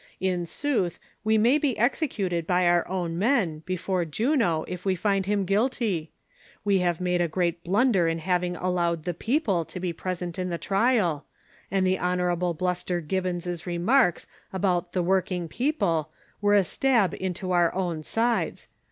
In sooth, we may be executed by our own men, before Juno, if we find him guilty. We have made a great blunder in having allowed the people to be present in the trial, and the lion. Bluster Gibbons' re marks about the ' working people ' were a stab into our own sides.